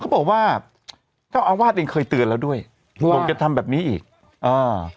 เขาบอกว่าเจ้าอาวาสเองเคยเตือนแล้วด้วยบอกจะทำแบบนี้อีกอ่า